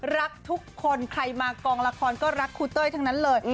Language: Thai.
รักทุกคนใครมากองละครก็รักครูเต้ยทั้งนั้นเลย